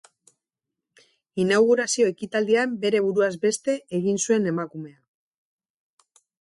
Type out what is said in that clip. Inaugurazio ekitaldian bere buruaz beste egin zuen emakumea.